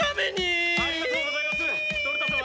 ・ありがとうございますトルタ様！